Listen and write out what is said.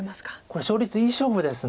これ勝率いい勝負です。